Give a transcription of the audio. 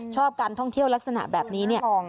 การท่องเที่ยวลักษณะแบบนี้เนี่ย